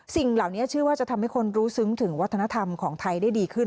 สิ่งเหล่านี้เชื่อว่าจะทำให้คนรู้ซึ้งถึงวัฒนธรรมของไทยได้ดีขึ้น